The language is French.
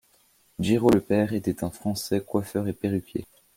Girò le père était un français, coiffeur et perruquier.